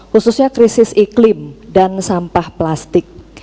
khususnya krisis iklim dan sampah plastik